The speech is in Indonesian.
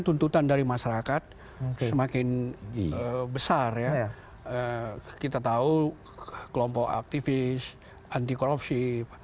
tuntutan dari masyarakat semakin besar ya kita tahu kelompok aktivis anti korupsi